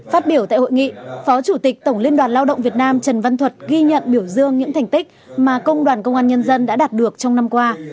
phát biểu tại hội nghị phó chủ tịch tổng liên đoàn lao động việt nam trần văn thuật ghi nhận biểu dương những thành tích mà công đoàn công an nhân dân đã đạt được trong năm qua